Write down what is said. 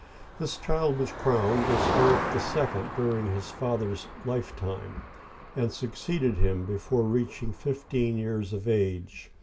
This child was crowned as Philip II. during his father's life time, and succeeded him before reaching fifteen years of age.